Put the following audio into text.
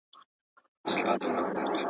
نه مي علم نه هنر په درد لګېږي.